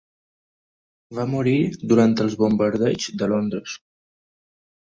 Va morir durant els bombardeigs de Londres.